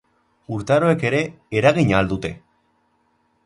Urtaroek ere eragina al dute?